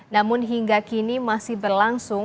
namun hingga kini masih berlangsung